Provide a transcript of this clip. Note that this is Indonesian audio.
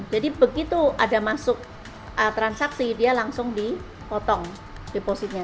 jadi begitu ada masuk transaksi dia langsung di potong depositnya